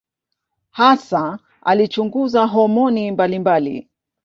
Hasa alichunguza homoni mbalimbali.